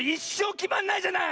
きまんないじゃない！